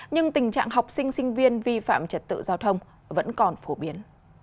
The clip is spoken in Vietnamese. nhưng tình trạng học sinh sinh viên vi phạm trật tự giao thông vẫn còn phổ biến